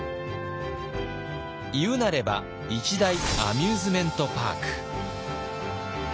言うなれば一大アミューズメントパーク。